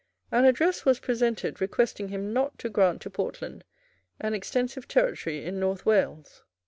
An address was presented requesting him not to grant to Portland an extensive territory in North Wales.